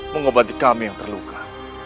mengobati kami yang terluka